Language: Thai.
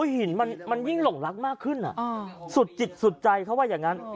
หินมันยิ่งหลงรักมากขึ้นสุดจิตสุดใจเขาว่าอย่างนั้น